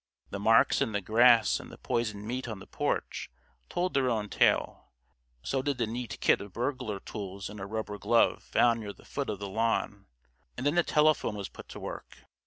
The marks in the grass and the poisoned meat on the porch told their own tale; so did the neat kit of burglar tools and a rubber glove found near the foot of the lawn; and then the telephone was put to work.